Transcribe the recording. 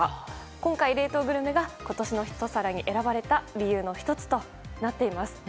今回、冷凍グルメが今年の一皿に選ばれた理由の１つとなっています。